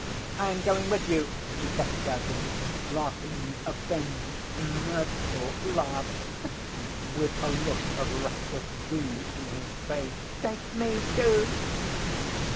"I am going with you!" he kept shouting, laughing a thin mirthful laugh with a look of reckless glee in his face. "Take me, too."